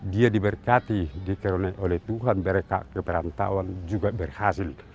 dia diberkati dikerunai oleh tuhan mereka keperantauan juga berhasil